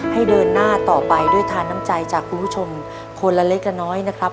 ให้เดินหน้าต่อไปด้วยทานน้ำใจจากคุณผู้ชมคนละเล็กละน้อยนะครับ